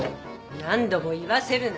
何度も言わせるな。